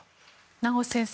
名越先生